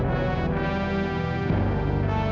aku mau kemana